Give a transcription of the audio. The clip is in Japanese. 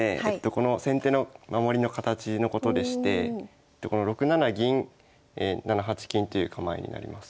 この先手の守りの形のことでして６七銀７八金という構えになります。